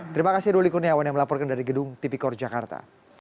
terima kasih ruli kurniawan yang melaporkan dari gedung tipikor jakarta